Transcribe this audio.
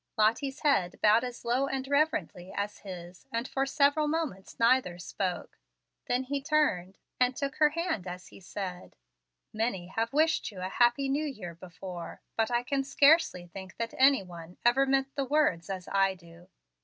Lottie's head bowed as low and reverently as his and for several moments neither spoke. Then he turned, and took her hand as he said: "Many have wished you a 'happy new year' before, but I can scarcely think that any one ever meant the words as I do.